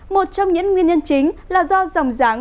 một trong những nguyên nhân chính là do dòng giáng